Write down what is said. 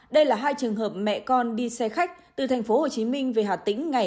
đây là hai trường hợp mẹ con đi xe khách từ tp hcm về hà tĩnh ngày hai mươi bốn một mươi